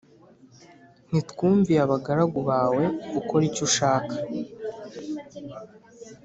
Ntitwumviye abagaragu bawe ukore icyo ushaka